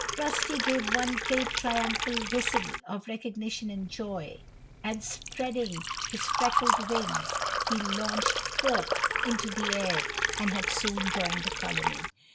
Rusty gave one great, triumphant whistle of recognition and joy, and spreading his freckled wings he launched forth into the air and had soon joined the colony.